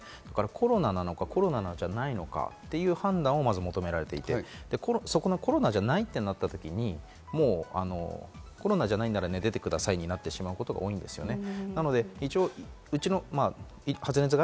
コロナなのか、コロナじゃないのかという判断をまず求められていて、コロナじゃないとなったとき、コロナじゃないなら、寝ててくださいということになることが多いんですね。